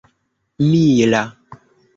mila